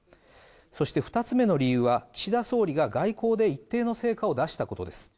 そして２つ目の理由は、岸田総理が外交で一定の成果を出したことです。